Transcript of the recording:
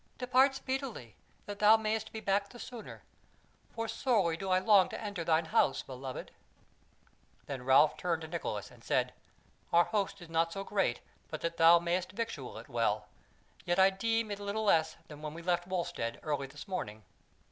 Depart speedily, that thou mayst be back the sooner; for sorely do I long to enter thine house, beloved." Then Ralph turned to Nicholas, and said: "Our host is not so great but that thou mayst victual it well; yet I deem it is little less than when we left Wulstead early this morning."